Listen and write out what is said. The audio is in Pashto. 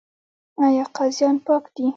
آیا قاضیان پاک دي؟